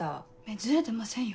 ズレてませんよ。